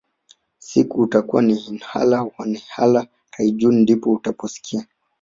siku utakua innalillah wainnailah rajiuun ndipoo utakaposikia